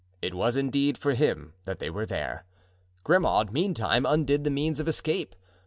It was indeed for him that they were there. Grimaud, meantime, undid the means of escape.